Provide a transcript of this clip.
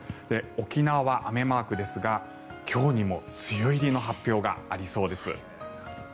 沖縄は雨マークですが今日にも梅雨入りの発表がありそうです。